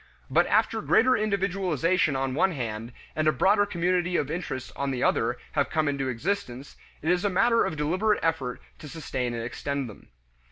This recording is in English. But after greater individualization on one hand, and a broader community of interest on the other have come into existence, it is a matter of deliberate effort to sustain and extend them.